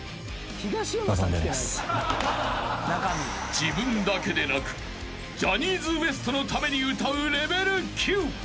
［自分だけでなくジャニーズＷＥＳＴのために歌うレベル９］